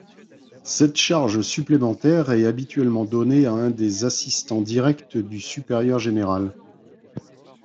Cette charge supplémentaire est habituellement donnée à un des assistants directs du supérieur général.